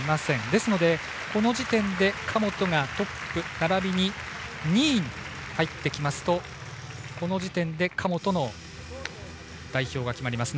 ですのでこの時点で神本がトップならびに２位に入ってきますとこの時点で神本の代表が決まります。